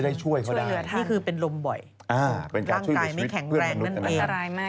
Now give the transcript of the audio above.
พี่ชอบแซงไหลทางอะเนาะ